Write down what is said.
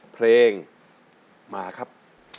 เพลงมาครับ